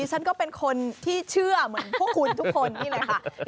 ฉันก็เป็นคนที่เชื่อเหมือนพวกคุณทุกคนนี่เลยค่ะ